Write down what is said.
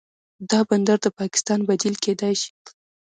دا بندر د پاکستان بدیل کیدی شي.